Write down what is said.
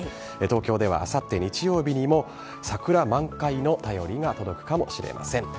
東京では、あさって日曜日にも桜満開の便りが届くかもしれません。